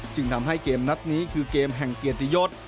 จึงทำให้เกมนัดนี้คือเกมแห่งเกียรติยศ